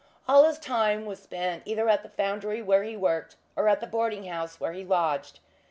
All his time was spent either at the foundry where he worked, or at the boarding house where he lodged.